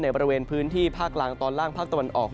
บริเวณพื้นที่ภาคกลางตอนล่างภาคตะวันออก